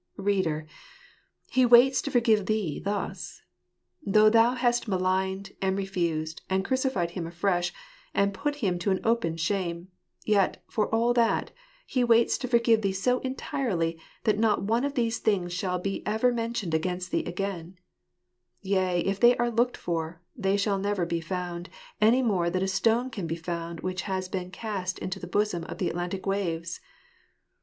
Reader! He waits to forgive thee thus. Though thou hast maligned, and refused, and crucified Him afresh, and put Him to an open shame ; yet, for all that, He waits to forgive thee so entirely, that not one of these things shall be ever mentioned against thee again ; yea, if they are looked for, they shall never be found, any more than a stone can be found which has been cast into the bosom of the Atlantic waves.